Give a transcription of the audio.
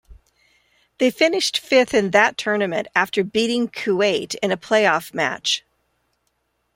They finished fifth in that tournament after beating Kuwait in a play-off match.